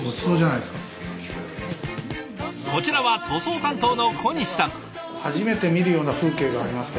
こちらは塗装担当の小西さん。